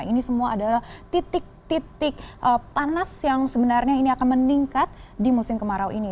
ini semua adalah titik titik panas yang sebenarnya ini akan meningkat di musim kemarau ini